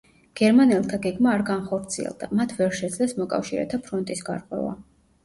გერმანელთა გეგმა არ განხორციელდა, მათ ვერ შეძლეს მოკავშირეთა ფრონტის გარღვევა.